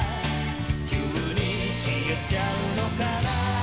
「急に消えちゃうのかな？」